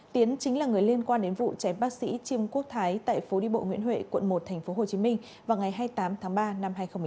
tiến chính là người liên quan đến vụ cháy bác sĩ chiêm quốc thái tại phố đi bộ nguyễn huệ quận một tp hcm vào ngày hai mươi tám tháng ba năm hai nghìn một mươi tám